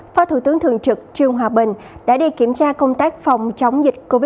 phó thủ tướng thường trực trương hòa bình đã đi kiểm tra công tác phòng chống dịch covid một mươi chín